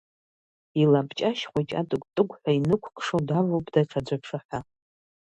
Илабҷашь хәыҷ атыгә-тыгәҳәа инықәкшо давоуп даҽаӡә аԥшаҳәа.